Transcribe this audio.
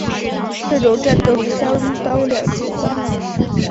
这种战力相当两极化。